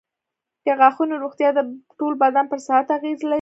د غاښونو روغتیا د ټول بدن پر صحت اغېز لري.